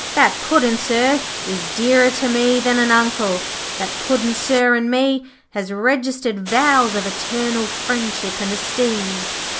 'That Puddin', sir, is dearer to me than an Uncle. That Puddin', sir, an' me has registered vows of eternal friendship and esteem.